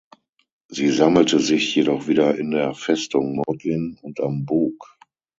Sie sammelte sich jedoch wieder in der Festung Modlin und am Bug.